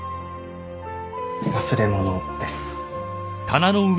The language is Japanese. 忘れ物です。